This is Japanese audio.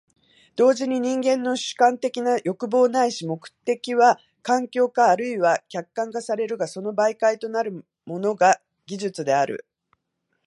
同時に人間の主観的な欲望ないし目的は環境化或いは客観化されるが、その媒介となるものが技術である。